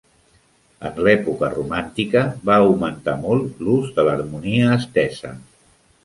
En l'època romàntica va augmentar molt l'ús de l'harmonia estesa.